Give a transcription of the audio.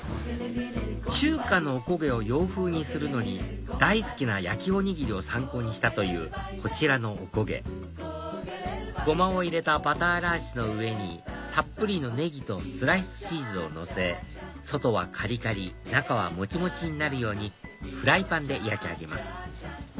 中華のおこげを洋風にするのに大好きな焼きおにぎりを参考にしたというこちらのおこげゴマを入れたバターライスの上にたっぷりのネギとスライスチーズをのせ外はカリカリ中はモチモチになるようにフライパンで焼き上げます